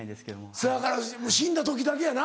そやから死んだ時だけやな。